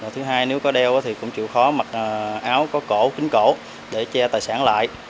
thứ hai nếu có đeo thì cũng chịu khó mặc áo có cổ kính cổ để che tài sản lại